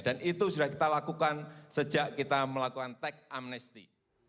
dan itu sudah kita lakukan sejak kita melakukan tax amnesty